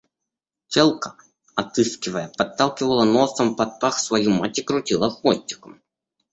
Телка, отыскивая, подталкивала носом под пах свою мать и крутила хвостиком.